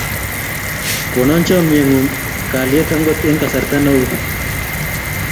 Konon chomye ng'ung' kalyet angot eng' kasarta ne ui.